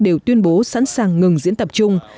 đều tuyên bố sẵn sàng ngừng diễn tập chung